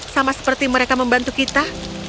sama seperti mereka membantu kita